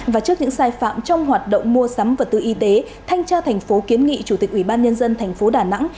và trước những sai phạm trong hoạt động mua sắm vật tư y tế thanh tra thành phố kiến nghị chủ tịch ủy ban nhân dân thành phố đà nẵng